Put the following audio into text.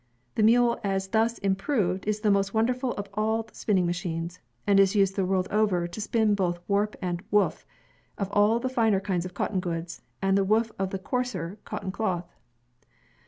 The mule as thus im proved is the most wonderful of all spinning machines, and is used the world over, to spin both the warp and the woof of all the finer kinds of cotton goods, and the woof of the coarser cotton cloth.